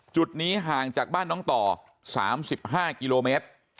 จุดนี้ห่างจากบ้านน้องต่อ๓๕กิโลเมตร